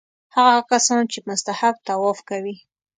هغه کسان چې مستحب طواف کوي.